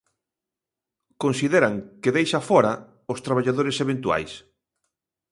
Consideran que deixa fóra os traballadores eventuais.